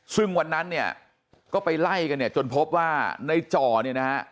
ซึ่งวันนั้นเนี่ยก็ไปไล่กันเนี่ยจนพบว่าในจ่อเนี่ยนะฮะ